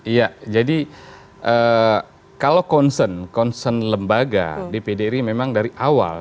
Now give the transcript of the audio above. iya jadi kalau concern concern lembaga dpd ini memang dari awal